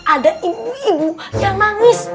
ada ibu ibu yang nangis